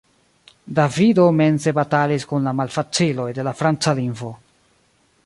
Davido mense batalis kun la malfaciloj de la Franca lingvo.